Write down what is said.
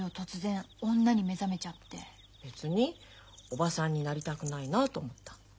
おばさんになりたくないなと思ったの。